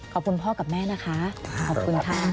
ขอบคุณพ่อกับแม่นะคะขอบคุณค่ะ